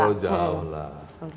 terlalu jauh lah